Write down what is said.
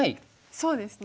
そうですね。